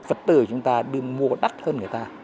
vật tử chúng ta đưa mua đắt hơn người ta